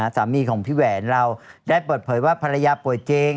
สามีของพี่แหวนเราได้เปิดเผยว่าภรรยาป่วยจริง